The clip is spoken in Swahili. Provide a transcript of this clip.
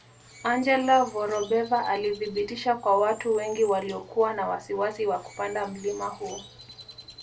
Angela Vorobeva alithibitisha kwa watu wengi waliokuwa na wasiwasi wa kupanda mlima huu